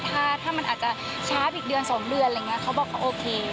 ถ้ามันอาจจะช้าอีกเดือน๒เดือนอะไรอย่างนี้เขาบอกเขาโอเค